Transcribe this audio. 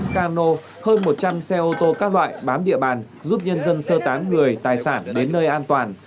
một cano hơn một trăm linh xe ô tô các loại bám địa bàn giúp nhân dân sơ tán người tài sản đến nơi an toàn